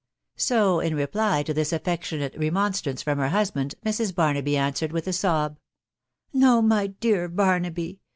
So, in reply to this affectionate remonstrance from her hus band, Mrs. Barnaby answered with a sob, —" No, my dear Barnaby